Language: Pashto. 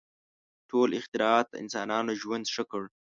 • ټول اختراعات د انسانانو ژوند ښه کړ.